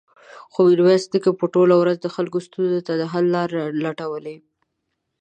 خو ميرويس نيکه به ټوله ورځ د خلکو ستونزو ته د حل لارې لټولې.